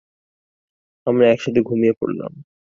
আমরা একসাথে ঘুমিয়ে পড়লাম।